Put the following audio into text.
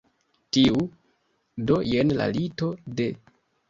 Tiu? Do jen la lito de